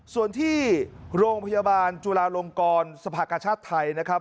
ส่วนที่โรงพยาบาลจุลาลงกรสภากชาติไทยนะครับ